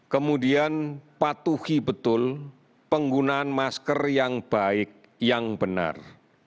kemudian patuhi betul penggunaan masker yang baik yang benar